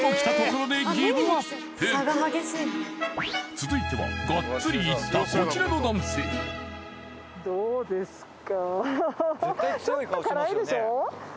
続いてはガッツリいったこちらの男性どうですか？